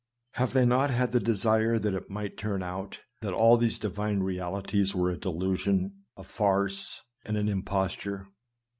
Have they not had the desire that it might turn out that all these divine realities were a delusion, a farce, and an imposture?